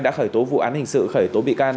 đã khởi tố vụ án hình sự khởi tố bị can